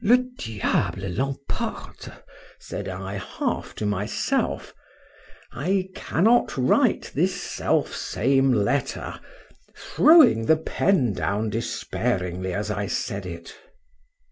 —Le diable l'emporte! said I, half to myself,—I cannot write this self same letter, throwing the pen down despairingly as I said it.